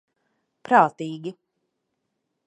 Prātīgi.